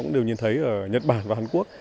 cũng đều nhìn thấy ở nhật bản và hàn quốc